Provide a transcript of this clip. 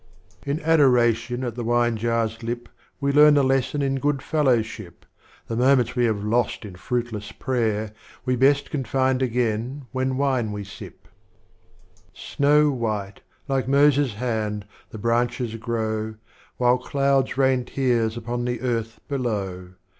Strophes of Omar Khayyam. xm. In Adoration at the Wine jar's Lip We learn a lesson in Good fellowship, The moments we have lost in Fruitless Prayer, We best can find again when Wine we sip. XIT. Snow white, like Moses' hand,° the Branches grow, While Clouds rain Tears upon the Earth below.